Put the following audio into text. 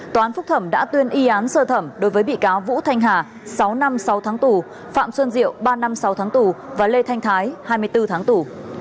tòa án phúc thẩm đã tuyên y án sơ thẩm đối với bị cáo vũ thanh hà sáu năm sáu tháng tù phạm xuân diệu ba năm sáu tháng tù và lê thanh thái hai mươi bốn tháng tù